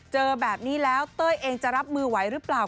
เจอแบบนี้แล้วเต้ยเองจะรับมือไหวหรือเปล่า